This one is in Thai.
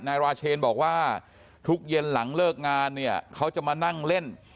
นายราเชนบอกว่าทุกเย็นหลังเลิกงานเนี่ยเขาจะมานั่งเล่น